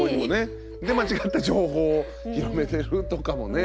で間違った情報を広めてるとかもね。